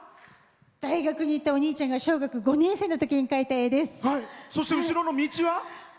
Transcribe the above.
大学にいったお兄ちゃんが小学５年生のときにそして、後ろの「道」は。